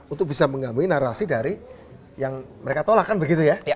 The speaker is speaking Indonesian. untuk bisa mengganggu narasi dari yang mereka tolak kan begitu ya